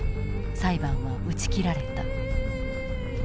裁判は打ち切られた。